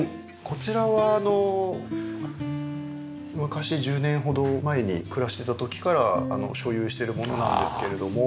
こちらはあの昔１０年ほど前に暮らしてた時から所有してるものなんですけれども。